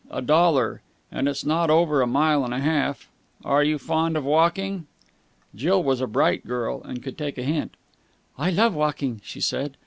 A dollar! And it's not over a mile and a half. Are you fond of walking?" Jill was a bright girl, and could take a hint. "I love walking," she said.